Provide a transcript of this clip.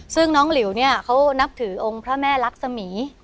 ซึ่งน้องหลิวเนี่ยเขานับถือองค์พระแม่รักษมี